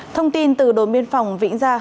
thông tin từ đồ biên phòng vĩnh gia